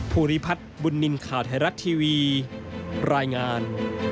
ภูริพัฒน์บุญนินทร์ข่าวไทยรัฐทีวีรายงาน